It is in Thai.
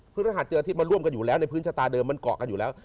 ฤหัสเจออาทิตยมาร่วมกันอยู่แล้วในพื้นชะตาเดิมมันเกาะกันอยู่แล้ว